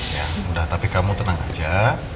ya udah tapi kamu tenang aja